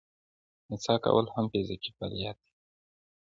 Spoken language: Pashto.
نڅا کول هم فزیکي فعالیت دی.